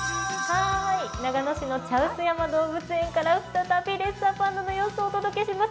長野市の茶臼山動物園から再びレッサーパンダの様子をお届けします。